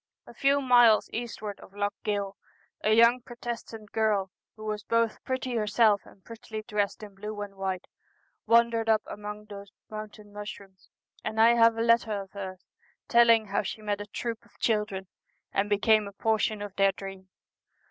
A few miles eastward of Lough Gill, a young Protestant girl, who was both pretty herself and prettily dressed in blue and white, wandered up among those mountain mushrooms, and I have a letter of hers telling how she met a troop of children, and became a portion of their dream.